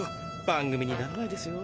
番組になんないですよ。